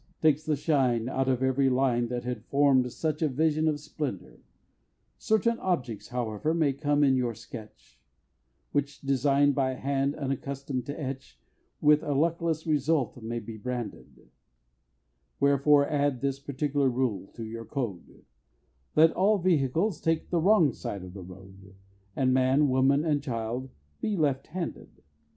takes the shine out of every line That had form'd such a vision of splendor; Certain objects, however, may come in your sketch, Which, design'd by a hand unaccustom'd to etch, With a luckless result may be branded; Wherefore add this particular rule to your code, Let all vehicles take the wrong side of the road, And man, woman, and child, be _left handed.